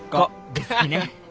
ですきね！